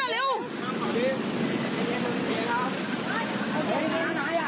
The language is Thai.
อ้าวแม้คองการ์ดโอ้โห้ย